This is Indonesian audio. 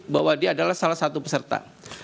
bahwa dia adalah salah satu peserta